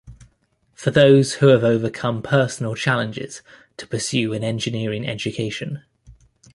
For those who have overcome personal challenges to pursue an engineering education.